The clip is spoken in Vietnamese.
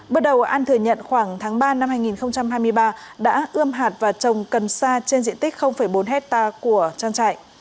bước đầu an thừa nhận khoảng tháng ba năm hai nghìn hai mươi ba đã ươm hạt và trồng cần sa trên diện tích bốn hectare của trang trại